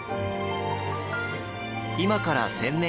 今から１０００年